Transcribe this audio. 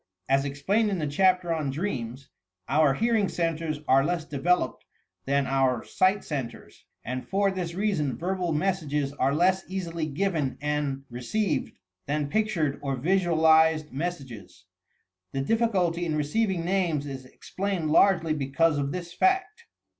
As explained in the chapter on Dreams, our hearing centres are less developed than our sight centres, and for this reason verbal messages are less easily given and re DIFFICULTIES OF COMMUNICATION 255 ceived than pictured or visualized messages. The diffi culty in receiving names is explained largely because of this fact.